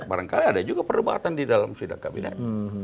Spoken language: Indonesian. barangkali ada juga perdebatan di dalam sidang kabinet